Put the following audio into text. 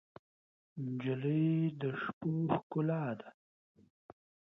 نجلۍ د شپو ښکلا ده.